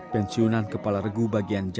pensiunan kepala regu bagian jawa